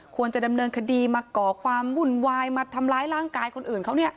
ควรจะดำเนินคดีมาก่อความวุ่นวายมาทำร้ายร่างกายคนอื่นเขาเนี่ย